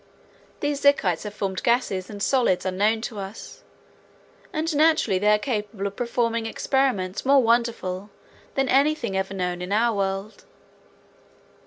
These Zikites have formed gases and solids unknown to us, and naturally they are capable of performing experiments more wonderful than anything ever known in our world.